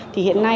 thứ hai là